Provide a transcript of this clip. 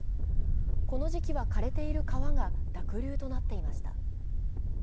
この時期はかれている川が濁流となっていました。